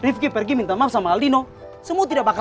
bapak ini bagaimana